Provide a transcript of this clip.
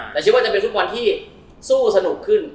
แต่คิดว่าจะเป็นฟุตบอลที่สู้สนุกขึ้น